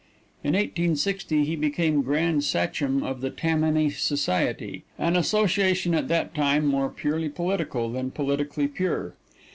In 1860 he became Grand Sachem of the Tammany Society, an association at that time more purely political than politically pure.